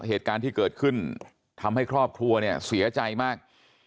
เหตุการณ์ที่เกิดขึ้นทำให้ครอบครัวเนี่ยเสียใจมาก